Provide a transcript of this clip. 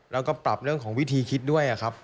แล้วก็ปรับเรื่องของวิธีคิดด้วยครับ